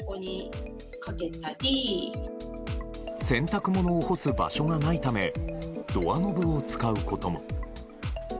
洗濯物を干す場所がないためドアノブを使うことも。